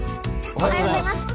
おはようございます。